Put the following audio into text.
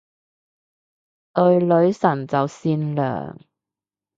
對女神就善良